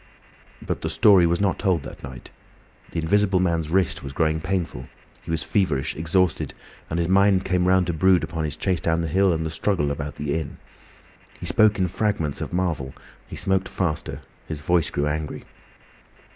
But the story was not told that night. The Invisible Man's wrist was growing painful; he was feverish, exhausted, and his mind came round to brood upon his chase down the hill and the struggle about the inn. He spoke in fragments of Marvel, he smoked faster, his voice grew angry.